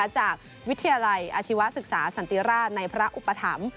จากวิทยาลัยอาชีวศึกษาสันติราชในพระอุปถัมภ์